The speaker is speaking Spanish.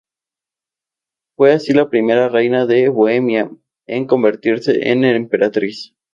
Fue así la primera Reina de Bohemia en convertirse en emperatriz.